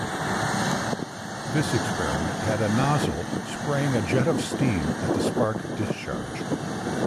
This experiment had a nozzle spraying a jet of steam at the spark discharge.